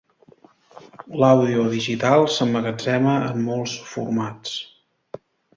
L'àudio digital s'emmagatzema en molts formats.